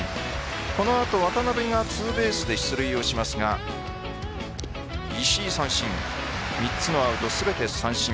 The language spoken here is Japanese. このあと渡邉がツーベースで出塁しますが石井、三振３つのアウトすべて三振。